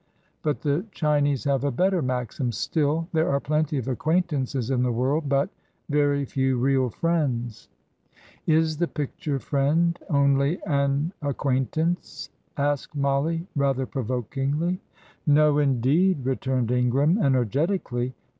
But the Chinese have a better maxim still: 'There are plenty of acquaintances in the world, but very few real friends.'" "Is the picture friend only an acquaintance?" asked Mollie, rather provokingly. "No, indeed," returned Ingram, energetically.